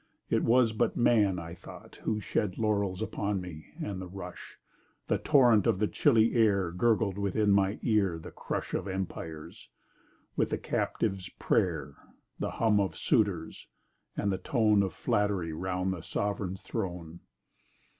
— It was but man, I thought, who shed Laurels upon me: and the rush— The torrent of the chilly air Gurgled within my ear the crush Of empires—with the captive's prayer— The hum of suitors—and the tone Of flattery 'round a sovereign's throne.